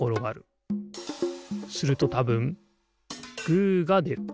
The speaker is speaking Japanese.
するとたぶんグーがでる。